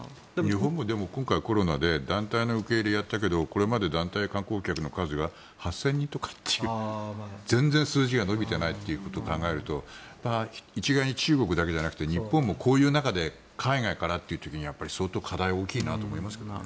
日本もコロナで団体の受け入れをやったけどこれまで団体観光客の数が８０００人とかっていう全然、数字が伸びてないということを考えると一概に中国だけじゃなくて日本もこういう中で海外からという時に、相当課題は大きいなと思いますけどね。